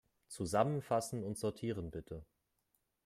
Zusammenfassen und sortieren, bitte.